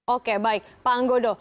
oke baik pak anggodo